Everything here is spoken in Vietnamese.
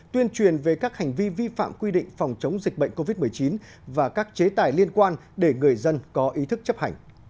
tuyên truyền về các hành vi vi phạm quy định phòng chống dịch bệnh covid một mươi chín và các chế tài liên quan để người dân có ý thức chấp hành